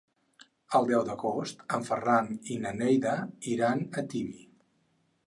El deu d'agost en Ferran i na Neida iran a Tibi.